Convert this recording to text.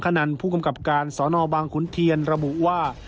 เพราะฉะนั้นผู้กำกับการสบขุนเทียนระบุว่า